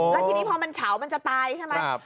แล้วทีนี้พอมันเฉามันจะตายใช่ไหม